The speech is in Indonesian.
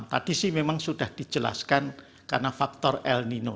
tadi sih memang sudah dijelaskan karena faktor el nino